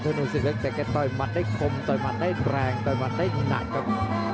ธนูสุกเล็กแต่ก็ต่อยมันได้คมต่อยมันได้แรงต่อยมันได้หนักครับ